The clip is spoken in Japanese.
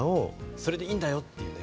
それでいいんだよっていうね。